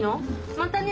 またね